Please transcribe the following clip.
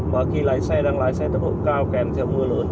mà khi lái xe đang lái xe tốc độ cao kèm theo mưa lớn